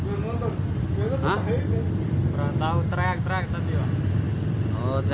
enggak tahu teriak teriak tadi ya